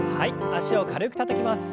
脚を軽くたたきます。